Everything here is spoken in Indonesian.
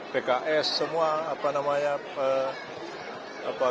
pks semua apa namanya